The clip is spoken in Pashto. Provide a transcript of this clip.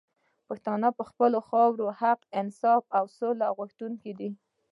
پښتانه پر خپله خاوره د حق، انصاف او سولي غوښتونکي دي